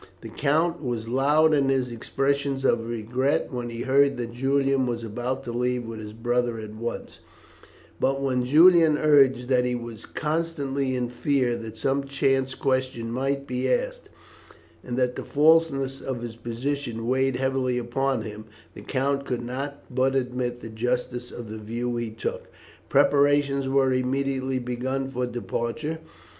The count was loud in his expressions of regret when he heard that Julian was about to leave with his brother at once; but when Julian urged that he was constantly in fear that some chance question might be asked, and that the falseness of his position weighed heavily upon him, the count could not but admit the justice of the view he took. Preparations were immediately begun for departure.